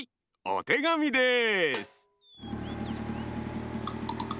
おてがみです。